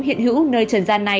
hiện hữu nơi trần gian này